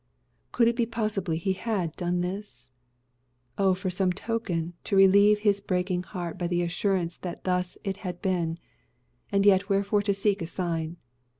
Could it be possible He had done this? Oh, for some token, to relieve his breaking heart by the assurance that thus it had been! And yet, wherefore seek a sign?